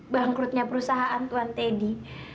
bangkrutnya perusahaan tuan teddy